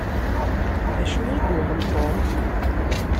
D acu i yuɣen Tom?